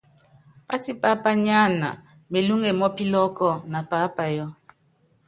Pátipá pányáana melúŋe mɔ́ pilɔ́kɔ na paápayɔ́.